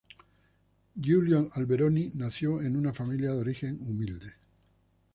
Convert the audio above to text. Giulio Alberoni nació en una familia de origen humilde.